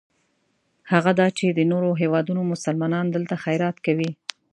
هغه دا چې د نورو هېوادونو مسلمانان دلته خیرات کوي.